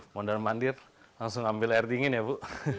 mondar mandir langsung ambil air dingin ya bu